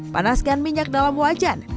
panaskan minyak dalam wajan